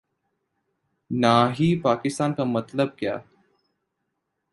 نا ہی پاکستان کا مطلب کیا